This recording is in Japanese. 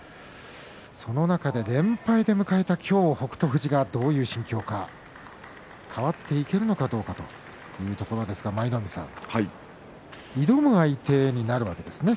その中で連敗で迎えた北勝富士が今日どんな心境が変わっていけるのかどうかというところですが舞の海さん、挑む相手になるわけですね